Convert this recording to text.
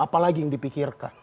apalagi yang dipikirkan